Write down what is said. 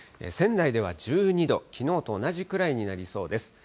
仙台では１２度、きのうと同じくらいになりそうです。